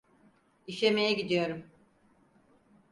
İşemeye gidiyorum.